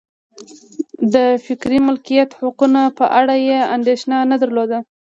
د فکري مالکیت حقونو په اړه یې اندېښنه نه درلوده.